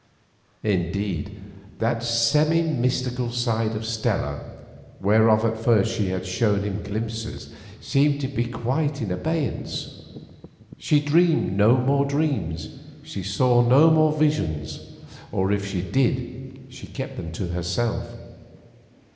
Indeed that semi mystical side of Stella, whereof at first she had shown him glimpses, seemed to be quite in abeyance; she dreamed no more dreams, she saw no more visions, or if she did she kept them to herself.